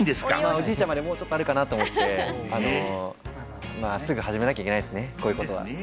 おじいちゃんまで、もうちょっとあるかなと思って、まぁ、すぐ始めなきゃいけないですね、こういうことは。